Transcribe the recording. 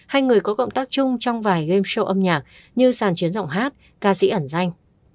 hay người có cộng tác chung trong vài game show âm nhạc như sàn chiến giọng hát ca sĩ ẩn danh